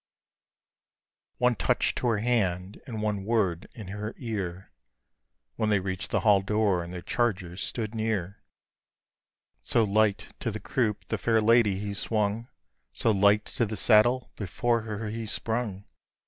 ' One touch to her hand, and one word in her ear, When they reach'd the hall door, and the charger stood near; So light to the croupe the fair lady he swung, So light to the saddle before her he sprung!